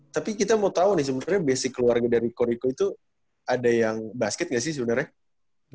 tapi kita mau tahu nih sebenarnya basic keluarga dari koriko itu ada yang basket gak sih sebenarnya